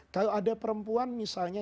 kalau ada perempuan misalnya